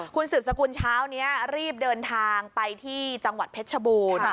คุณสืบสกุลเช้านี้รีบเดินทางไปที่จังหวัดเพชรชบูรณ์